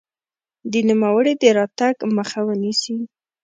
د نوموړي د راتګ مخه ونیسي.